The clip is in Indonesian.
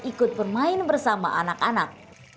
ikut bermain bersama anak anak